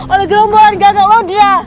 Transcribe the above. oleh gelombolan gagak lo dira